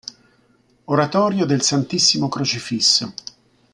Oratorio del Santissimo Crocifisso